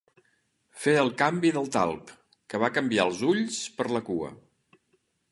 Fer el canvi del talp, que va canviar els ulls per la cua.